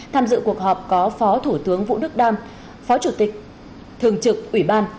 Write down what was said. tham dự cuộc họp có phó thủ tướng vũ đức đam phó chủ tịch thường trực ủy ban